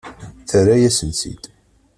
Terra-yasen-tt-id.